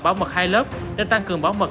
bảo mật hai lớp để tăng cường bảo mật